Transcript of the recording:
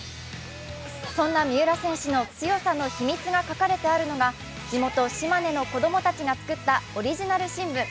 そんな三浦選手の強さの秘密が書かれてあるのが地元・島根の子供たちが作ったオリジナル新聞。